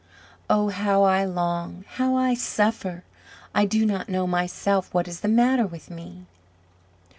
Oh, how I long, how I suffer! I do not know myself what is the matter with me!"